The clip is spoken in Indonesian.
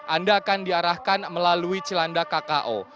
anda akan diarahkan melalui cilanda kko